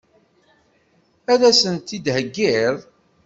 Ad as-t-id-theggiḍ?